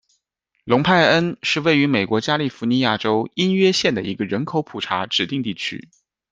隆派恩是位于美国加利福尼亚州因约县的一个人口普查指定地区。